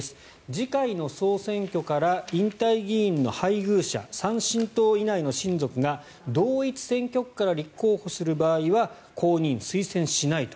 次回の総選挙から引退議員の配偶者３親等以内の親族が同一選挙区から立候補する場合は公認・推薦しないと。